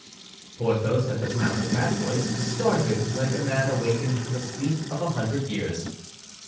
Porthos, at the sound of that voice, started like a man awakened from a sleep of a hundred years.